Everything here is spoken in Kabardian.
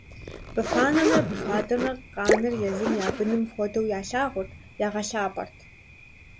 Быфанэмрэ быфадэмрэ къаныр езым я быным хуэдэу ялъагъурт, ягъэлъапӏэрт.